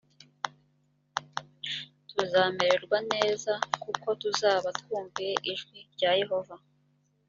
tuzamererwa neza kuko tuzaba twumviye ijwi rya yehova